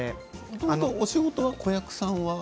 もともとお仕事は子役さんが？